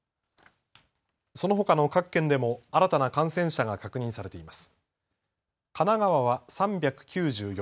そのほかの各県でも、新たな感染者が確認されています。